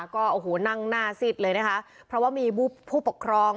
ก็โอ้โหนั่งหน้าซิดเลยนะคะเพราะว่ามีผู้ปกครอง